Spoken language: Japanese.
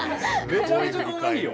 めちゃめちゃかわいいよ。